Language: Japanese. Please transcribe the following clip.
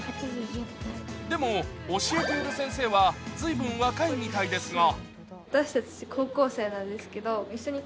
でも、教えている先生は随分若いみたいですが。